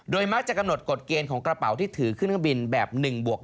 มักจะกำหนดกฎเกณฑ์ของกระเป๋าที่ถือขึ้นเครื่องบินแบบ๑บวก